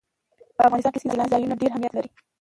په افغانستان کې سیلانی ځایونه ډېر اهمیت لري.